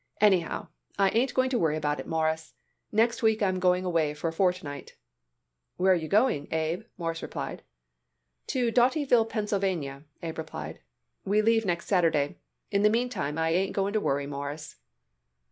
Anyhow, I ain't going to worry about it, Mawruss. Next week I'm going away for a fortnight." "Where are you going, Abe?" Morris asked. "To Dotyville, Pennsylvania," Abe replied. "We leave next Saturday. In the meantime I ain't going to worry, Mawruss."